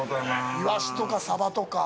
イワシとか、サバとか。